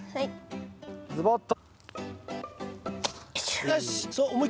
ズボッと。